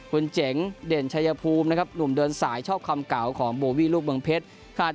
คุณเจ๋งเด่นชายภูมินะครับหนุ่มเดินสายชอบคำเก่าของโบวี่ลูกเมืองเพชรคาด